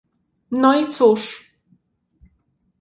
"No i cóż!..."